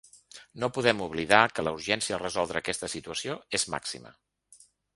No podem oblidar que la urgència a resoldre aquesta situació és màxima.